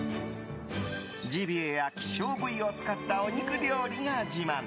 ジビエや希少部位を使ったお肉料理が自慢。